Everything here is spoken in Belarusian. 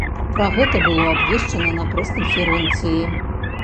Пра гэта было абвешчана на прэс-канферэнцыі.